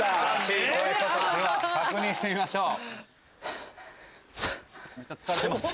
では確認してみましょう。